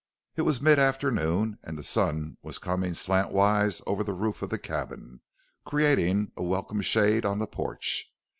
It was mid afternoon and the sun was coming slant wise over the roof of the cabin, creating a welcome shade on the porch.